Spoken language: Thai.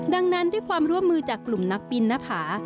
ดังนั้นด้วยความร่วมมือจากกลุ่มนักบินหน้าผา